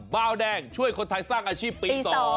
เบาแดงช่วยคนไทยสร้างอาชีพปี๒